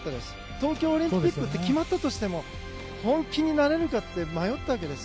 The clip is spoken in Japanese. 東京オリンピックって決まったとしても本気になれるかって迷ったわけです。